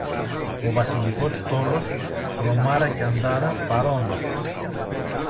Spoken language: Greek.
Ο Βασιλικός στόλος, «Τρομάρα» και «Αντάρα», παρών!